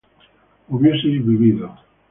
hubieseis vivido